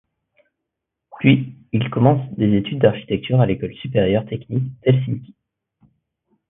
Puis il commence des études d’architecture à l’école supérieure technique d’Helsinki.